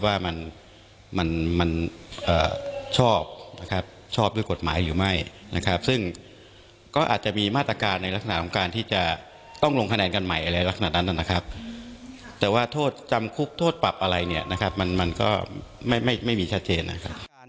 ว่ามันชอบด้วยกฎหมายหรือไม่ซึ่งก็อาจจะมีมาตรการในลักษณะที่จะต้องลงคะแนนกันใหม่อะไรแบบนั้นแต่ว่าโจมกุกโจมปรับอะไรมันก็ไม่มีชาดเจนนะครับ